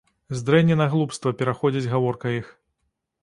З дрэні на глупства пераходзіць гаворка іх.